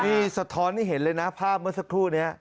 นี่สะท้อนให้เห็นเลยนะภาพเมื่อสักครู่นี้